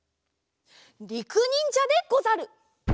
りくにんじゃでござる！